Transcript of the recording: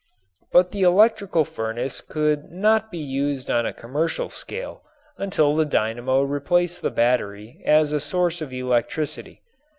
But the electrical furnace could not be used on a commercial scale until the dynamo replaced the battery as a source of electricity.